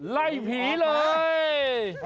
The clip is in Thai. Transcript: ไล่ผีเลย